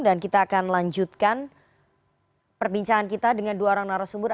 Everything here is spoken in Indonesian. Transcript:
dan kita akan lanjutkan perbincangan kita dengan dua orang narasumber